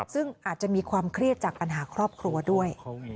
ซึ่งอาจจะมีความเครียดจากปัญหาครอบครัวด้วย